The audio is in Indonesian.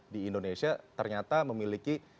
di indonesia ternyata memiliki